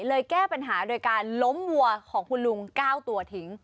แก้ปัญหาโดยการล้มวัวของคุณลุง๙ตัวทิ้ง